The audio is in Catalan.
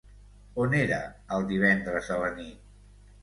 On era els divendres a la nit?